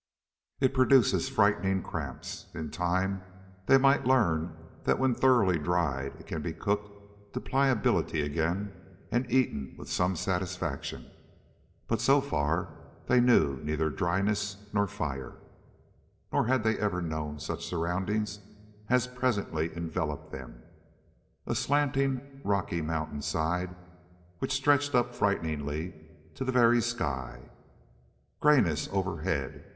It produces frightening cramps. In time they might learn that when thoroughly dried it can be cooked to pliability again and eaten with some satisfaction. But so far they neither knew dryness nor fire. Nor had they ever known such surroundings as presently enveloped them. A slanting rocky mountainside, which stretched up frighteningly to the very sky. Grayness overhead.